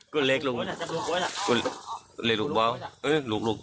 กูเล็กลุ้มพูดอาจารย์รูปเบาหื้อลูก